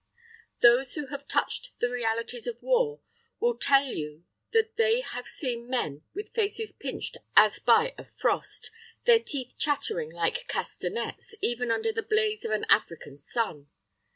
Those who have touched the realities of war will tell you that they have seen men with faces pinched as by a frost, their teeth chattering like castanets, even under the blaze of an African sun.